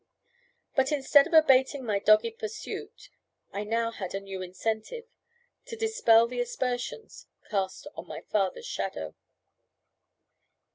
But instead of abating my dogged pursuit, I now had a new incentive to dispel the aspersions cast on my father's shadow.